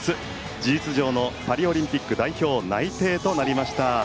事実上のパリオリンピック代表内定となりました。